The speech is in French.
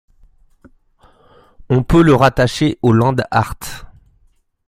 On peut le rattacher au land art.